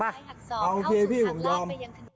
อ่ะโอเคพี่ผมชอบ